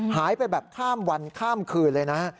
หายไปแบบข้ามวันข้ามคืนเลยนะฮะ